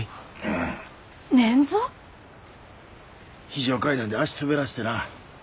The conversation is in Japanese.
非常階段で足滑らしてな。